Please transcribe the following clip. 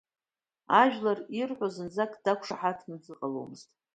Ажәлар ирҳәоз зынӡак дақәшаҳаҭны дзыҟаломызт.